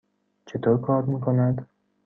چطور کار می کند؟